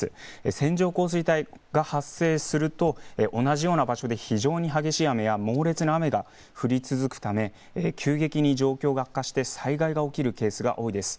線状降水帯が発生すると同じような場所に非常に激しい雨や猛烈な雨が降り続くため急激に状況が悪化して災害が起きるケースが多いです。